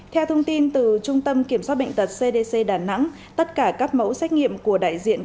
theo thông tin từ trung tâm kiểm soát bệnh tật cdc đà nẵng tất cả các mẫu xét nghiệm của đại diện